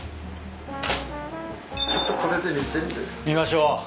見ましょう。